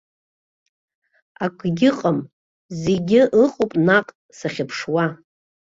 Акгьы ыҟам, зегь ыҟоуп наҟ, сахьыԥшуа.